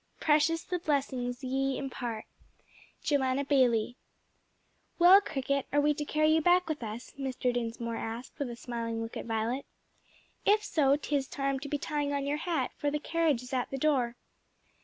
Precious the blessings ye impart!" Joanna Baillie. "Well, cricket, are we to carry you back with us?" Mr. Dinsmore asked, with a smiling look at Violet. "If so, 'tis time to be tying on your hat, for the carriage is at the door."